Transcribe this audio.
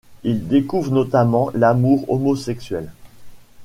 Il découvre notamment l'amour homosexuel.